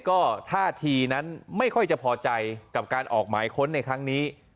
ก็ท่าทีนั้นไม่ค่อยจะพอใจกับการออกหมายค้นในครั้งนี้